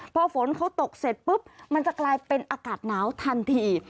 พอฝนเขาตกเสร็จปุ๊บมันจะกลายเป็นอากาศหนาวทันที